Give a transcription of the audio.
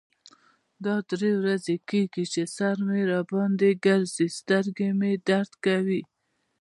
دا درې ورځې کیږی چې سر مې را باندې ګرځی. سترګې مې درد کوی.